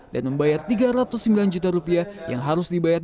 dan membayar tiga ratus sembilan juta rupiah yang harus dibayar